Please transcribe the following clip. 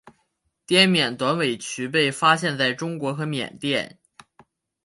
滇缅短尾鼩被发现在中国和缅甸。